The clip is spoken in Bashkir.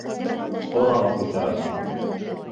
Оран көтәм: